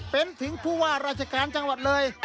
เป็นถึงผู้ว่าราชการจังหวัดเลย